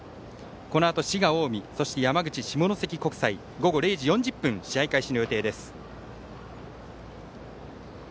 このあと滋賀・近江山口・下関国際午後０時４０分試合開始の予定です。